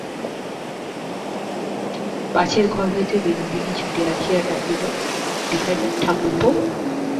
পাশের ঘর হইতে বিনোদিনী ছুটিয়া আসিয়া ডাকিল, বিহারী-ঠাকুরপো!